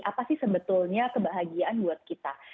apa sih sebetulnya kebahagiaan buat kita